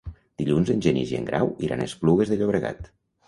Dilluns en Genís i en Grau iran a Esplugues de Llobregat.